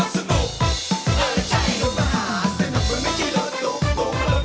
สวัสดีครับ